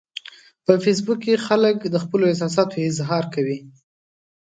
په فېسبوک کې خلک د خپلو احساساتو اظهار کوي